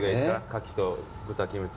牡蠣と豚キムチ。